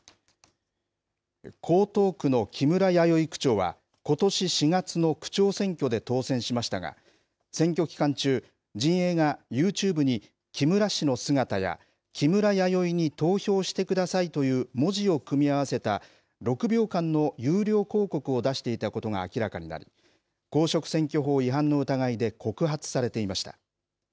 江東区の木村弥生区長は、ことし４月の区長選挙で当選しましたが、選挙期間中、陣営がＹｏｕＴｕｂｅに、木村氏の姿や、木村やよいに投票してくださいという文字を組み合わせた６秒間の有料広告を出していたことが明らかになり、公職選挙法違反の疑いで告発されていました。